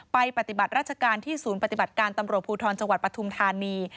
ปฏิบัติราชการที่ศูนย์ปฏิบัติการตำรวจภูทรจังหวัดปฐุมธานี